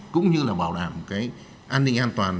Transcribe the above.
cũng như là bảo đảm cái an ninh an toàn